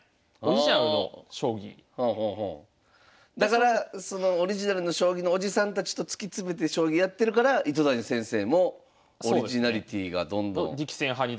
だからだからオリジナルの将棋のおじさんたちと突き詰めて将棋やってるから糸谷先生もオリジナリティーがどんどん。